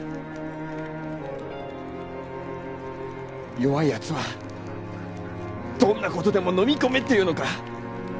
弱いやつはどんなことでものみ込めっていうのか？